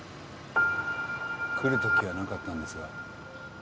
来る時はなかったのですが。